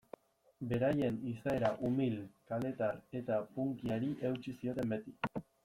Beraien izaera umil, kaletar eta punkyari eutsi zioten beti.